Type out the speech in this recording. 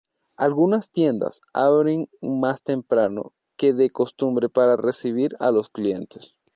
Algunas tiendas abren más temprano que de costumbre para recibir a los clientes.